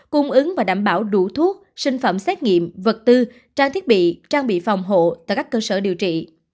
cung ứng và đảm bảo đủ thuốc sinh phẩm xét nghiệm vật tư trang thiết bị trang bị phòng hộ tại các cơ sở điều trị